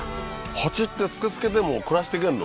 ハチってスケスケでも暮らしていけんの？